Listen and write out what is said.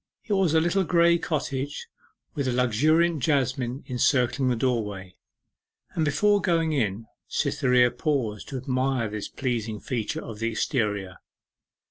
It was a little grey cottage with a luxuriant jasmine encircling the doorway, and before going in Cytherea paused to admire this pleasing feature of the exterior.